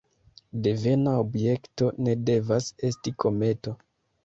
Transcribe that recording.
Devena objekto ne devas esti kometo.